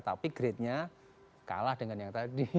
tapi gradenya kalah dengan yang tadi